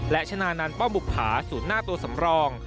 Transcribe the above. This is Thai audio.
และชนะนานป้อมบุกผาสูญหน้าตัวสำรอง